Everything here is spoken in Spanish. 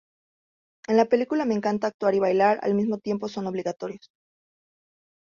En la película, me encanta actuar y bailar al mismo tiempo son obligatorios.